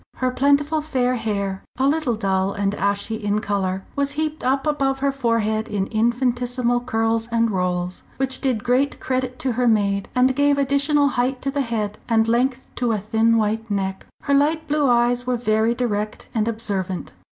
Her plentiful fair hair, a little dull and ashy in colour, was heaped up above her forehead in infinitesimal curls and rolls which did great credit to her maid, and gave additional height to the head and length to a thin white neck. Her light blue eyes were very direct and observant.